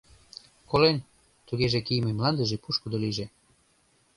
— Колен— Тугеже, кийыме мландыже пушкыдо лийже.